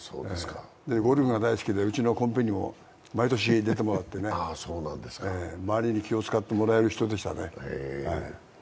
ゴルフが大好きでうちのコンペにも毎年出てもらってね、周りに気を遣ってもらえる人でしたね。